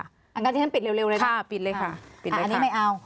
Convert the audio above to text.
อันนั้นฉะนั้นปิดเร็วเลยนะครับค่ะปิดเลยค่ะปิดเลยค่ะอันนี้ไม่เอา